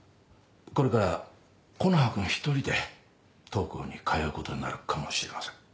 これから木の葉君一人で当校に通うことになるかもしれません。